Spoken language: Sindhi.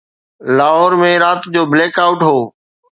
لاهور ۾ رات جو بليڪ آئوٽ هو.